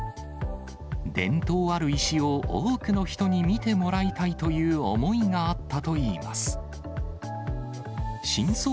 伝統ある石を多くの人に見てもらいたいという思いがあったといいます。